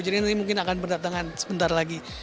jadi ini mungkin akan berdatangan sebentar lagi